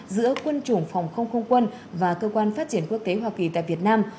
giữa quân chủng phòng không không quân và cơ quan phát triển quốc tế hoa kỳ tại việt nam